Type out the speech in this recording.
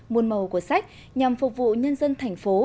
môn màu của sách nhằm phục vụ nhân dân thành phố